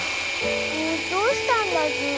どうしたんだズー？